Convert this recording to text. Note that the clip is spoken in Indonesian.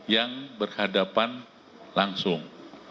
yang berhadapan langsung